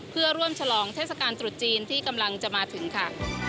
เพื่อร่วมฉลองเทศกาลตรุษจีนที่กำลังจะมาถึงค่ะ